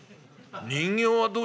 人形はど。